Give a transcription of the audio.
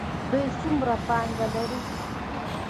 دوی څومره پانګه لري؟